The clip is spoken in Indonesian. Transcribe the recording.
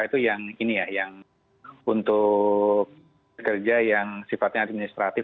itu yang ini ya yang untuk kerja yang sifatnya administratif